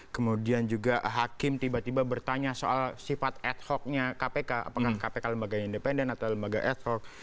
kemudian juga hakim tiba tiba bertanya soal sifat ad hoc nya kpk apakah kpk lembaga independen atau lembaga ad hoc